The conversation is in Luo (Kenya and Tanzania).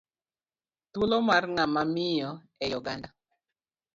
Thuolo mar ng'ama miyo e i oganda